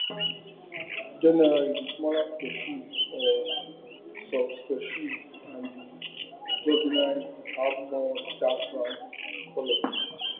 Generally the smaller species or subspecies and the juveniles have more dark brown colour.